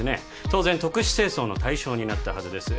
当然特殊清掃の対象になったはずです